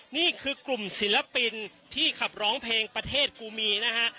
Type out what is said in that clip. นี่คือกลุ่มศิลปินที่ขับร้องเพลงประเทศกูมีนะฮะ